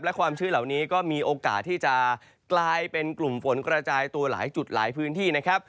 และความชื้นเหล่านี้ก็มีโอกาสที่จะกลายเป็นกลุ่มฝนกระจายตัวหลายจุดหลายพื้นที่นะครับ